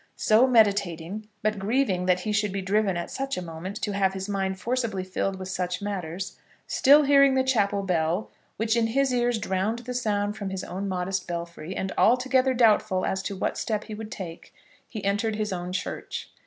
So meditating, but grieving that he should be driven at such a moment to have his mind forcibly filled with such matters, still hearing the chapel bell, which in his ears drowned the sound from his own modest belfry, and altogether doubtful as to what step he would take, he entered his own church.